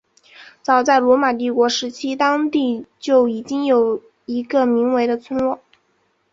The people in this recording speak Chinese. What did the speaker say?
早在罗马帝国时期当地就已经有一个名为的村落。